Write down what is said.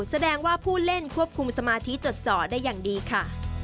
แสดงว่าผู้เล่นควบคุมสมาธิจดจ่อได้อย่างดีค่ะ